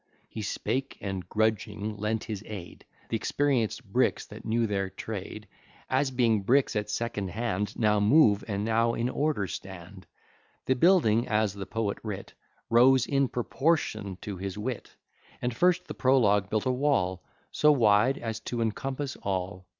He spake, and grudging, lent his aid; Th'experienced bricks, that knew their trade, (As being bricks at second hand,) Now move, and now in order stand. The building, as the Poet writ, Rose in proportion to his wit And first the prologue built a wall; So wide as to encompass all.